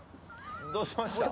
どうしました？